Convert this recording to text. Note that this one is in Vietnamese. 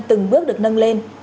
từng bước được nâng lên